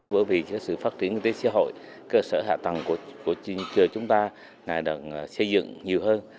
bởi vì sự phát triển kinh tế xã hội cơ sở hạ tầng của trường chúng ta đang xây dựng nhiều hơn